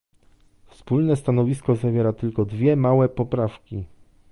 Wspólne stanowisko zawiera tylko dwie małe poprawki